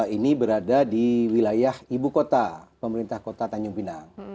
ini berada di wilayah ibu kota pemerintah kota tanjung pinang